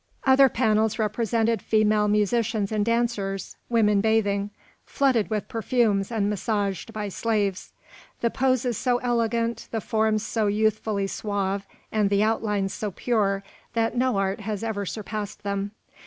Other panels represented female musicians and dancers, women bathing, flooded with perfumes and massaged by slaves, the poses so elegant, the forms so youthfully suave, and the outlines so pure, that no art has ever surpassed them.